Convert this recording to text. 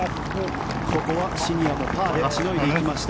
ここはシニアもパーでしのいでいきました。